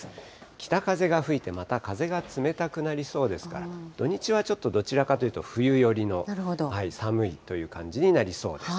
北風が吹いてまた風が冷たくなりそうですから、土日はちょっとどちらかというと、冬よりの寒いという感じになりそうです。